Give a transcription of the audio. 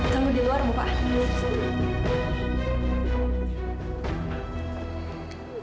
tunggu di luar bapak